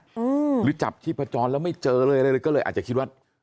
หรือจับชีพจรแล้วไม่เจอเลยอะไรเลยก็เลยอาจจะคิดว่า